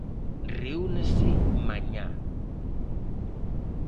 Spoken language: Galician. Reúnese mañá.